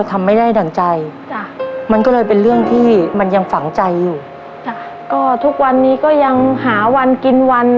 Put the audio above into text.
ครับครับครับครับครับครับครับครับครับ